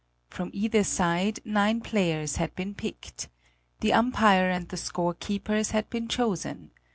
From either side nine players had been picked. The umpire and the score keepers had been chosen.